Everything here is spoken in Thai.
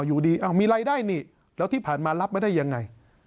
อยู่ดีมีรายได้นี่แล้วที่ผ่านมารับไม่ได้ยังไง